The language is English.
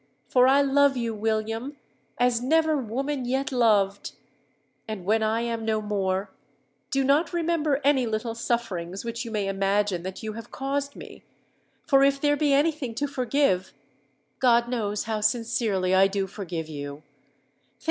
For I love you, William, as never woman yet loved; and when I am no more, do not remember any little sufferings which you may imagine that you have caused me; for if there be any thing to forgive, God knows how sincerely I do forgive you!